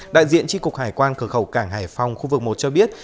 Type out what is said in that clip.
đại diện tri cục hải quan cửa khẩu cảng hải phòng khu vực một cho biết